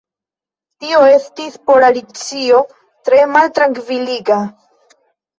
Tio estis por Alicio tre maltrankviliga.